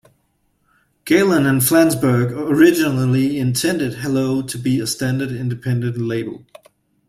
Galen and Flansburgh originally intended Hello to be a standard independent label.